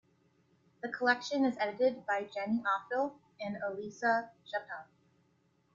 The collection is edited by Jenny Offill and Elissa Schappell.